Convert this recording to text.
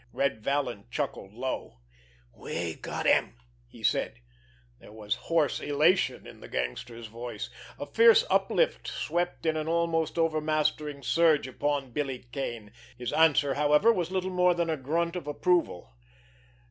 Red Vallon chuckled low. "We got him!" he said. There was hoarse elation in the gangster's voice. A fierce uplift swept in an almost overmastering surge upon Billy Kane. His answer, however, was little more than a grunt of approval.